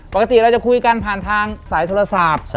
ปกติเราจะคุยกันผ่านทางสายโทรศัพท์